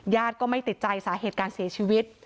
ก็ไม่ติดใจสาเหตุการเสียชีวิต